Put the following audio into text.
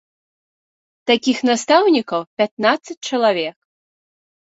Такіх настаўнікаў пятнаццаць чалавек.